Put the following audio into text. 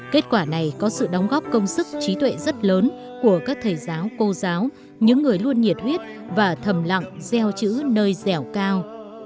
kết quả này có sự đóng góp công sức trí tuệ rất lớn của các thầy giáo cô giáo những người luôn nhiệt huyết và thầm lặng gieo chữ nơi dẻo cao